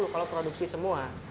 kalau produksi semua